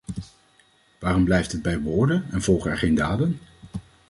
Waarom blijft het bij woorden en volgen er geen daden?